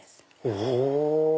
お！